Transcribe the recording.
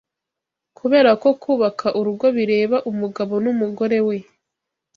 Kubera ko kubaka urugo bireba umugabo n’umugore we